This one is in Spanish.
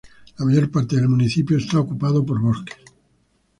La mayor parte del municipio es ocupado por bosques.